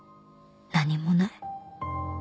何もない」